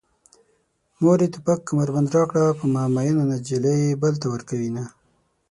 مورې توپک کمربند راکړه په ما مينه نجلۍ بل ته ورکوينه